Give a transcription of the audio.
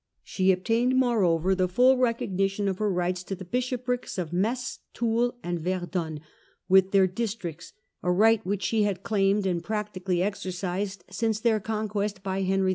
She obtained moreover the full recognition of her rights to the bishoprics of Metz, Toul, and Verdun, with their * districts,' a right which she had claimed and practically exercised since their conquest by Henry II.